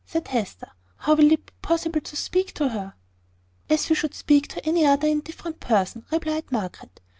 said Hester. "How will it be possible to speak to her?" "As we should speak to any other indifferent person," replied Margaret.